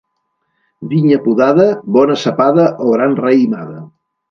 Vinya podada, bona cepada o gran raïmada.